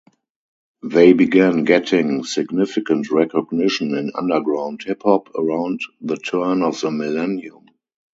They began getting significant recognition in underground hip-hop around the turn of the millennium.